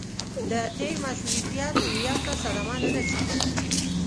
د تېر مشروطیت هویت ته صدمه نه رسېږي.